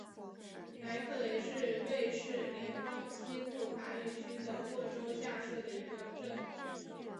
莱克雷是瑞士联邦西部法语区的沃州下设的一个镇。